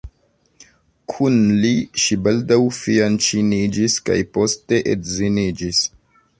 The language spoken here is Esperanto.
Kun li, ŝi baldaŭ fianĉiniĝis kaj poste edziniĝis.